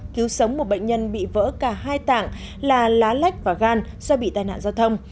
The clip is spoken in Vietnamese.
cứu sống một bệnh nhân bị vỡ cả hai tạng là lá lách và gan do bị tai nạn giao thông